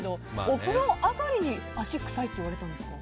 お風呂上がりに足臭いって言われたんですか？